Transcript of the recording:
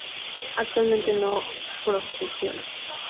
Actualmente no procesiona.